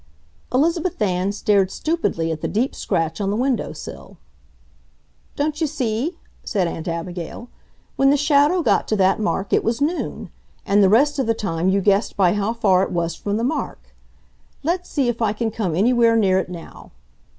Elizabeth Ann stared stupidly at the deep scratch on the window sill. "Don't you see?" said Aunt Abigail. "When the shadow got to that mark it was noon. And the rest of the time you guessed by how far it was from the mark. Let's see if I can come anywhere near it now."